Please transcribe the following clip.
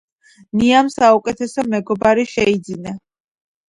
ნიამ საუკეთესო მეგობარი შეიძინა.